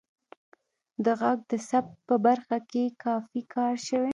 د غږ د ثبت په برخه کې کافی کار شوی